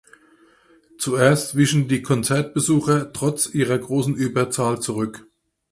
Zuerst wichen die Konzertbesucher trotz ihrer großen Überzahl zurück.